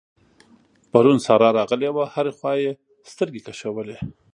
پرون سارا راغلې وه؛ هره خوا يې سترګې کشولې.